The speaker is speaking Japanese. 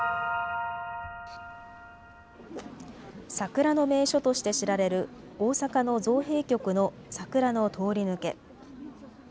桜の名所として知られる大阪の造幣局の桜の通り抜け。